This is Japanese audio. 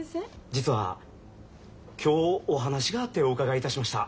実は今日お話があってお伺いいたしました。